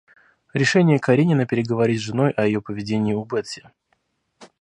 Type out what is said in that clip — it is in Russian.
Решение Каренина переговорить с женой о ее поведении у Бетси.